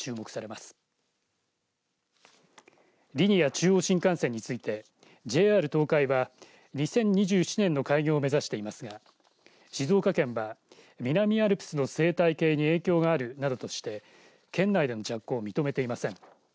中央新幹線についてＪＲ東海は２０２７年の開業を目指していますが静岡県は南アルプスの生態系に影響があるなどとして県内での着工を認めていません。